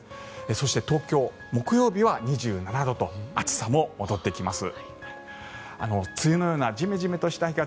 そして東京、木曜日は２７度と暑さも戻ってきます。